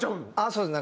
そうです。